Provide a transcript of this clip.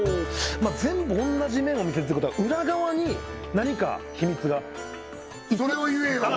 全部同じ面を見せてるってことは裏側に何か秘密がそれを言えよ！